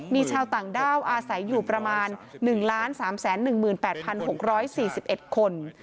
มีชาวต่างด้าวอาศัยอยู่ประมาณ๑๓๑๘๖๔๑คน